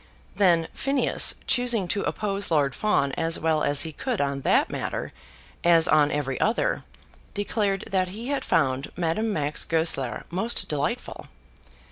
Then Phineas, choosing to oppose Lord Fawn as well as he could on that matter, as on every other, declared that he had found Madame Max Goesler most delightful.